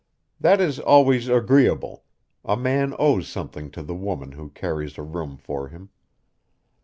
That is always agreeable; a man owes something to the woman who carries a room for him.